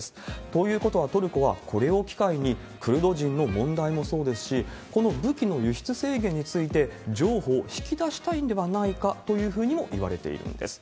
ということはトルコはこれを機会に、クルド人の問題もそうですし、この武器の輸出制限について譲歩を引き出したいんではないかというふうにもいわれているんです。